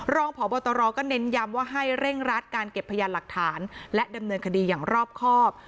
รองพบตรก็เน้นย้ำว่าให้เร่งรัดการเก็บพยานหลักฐานและดำเนินคดีอย่างรอบครอบ